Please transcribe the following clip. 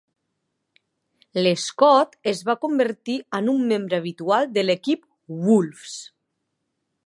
Lescott es va convertir en un membre habitual de l'equip Wolves.